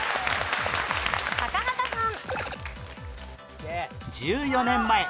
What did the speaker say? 高畑さん。